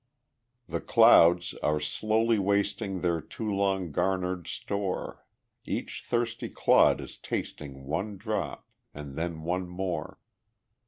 The clouds are slowly wasting Their too long garnered store, Each thirsty clod is tasting One drop and then one more.